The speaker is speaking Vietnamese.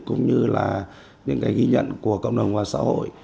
cũng như là những cái ghi nhận của cộng đồng và xã hội